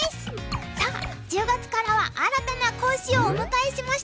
さあ１０月からは新たな講師をお迎えしました。